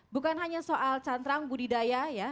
bukan hanya soal cantrang budidaya ya